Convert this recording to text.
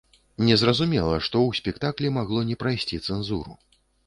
Незразумела, што ў спектаклі магло не прайсці цэнзуру.